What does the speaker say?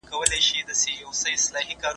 کاږه کاږه سمیږي ته سمېږې او کنه؟